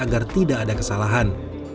agar tidak ada kesalahan